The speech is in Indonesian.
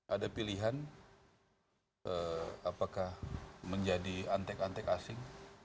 ada pilihan apakah menjadi antek antek asing